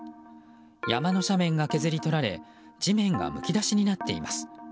山の斜面が削り取られ地面がむき出しになっています。